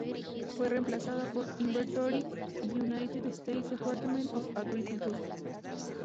Fue reemplazada por "Inventory, United States Department of Agriculture".